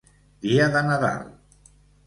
Dia de Nadal.